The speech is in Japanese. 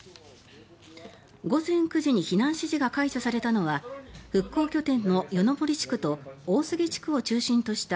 午前９時に避難指示が解除されたのは復興拠点の夜の森地区と大菅地区を中心とした